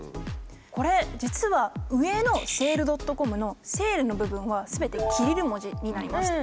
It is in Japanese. これ実は上の「セールドットコム」の「セール」の部分はすべてキリル文字になります。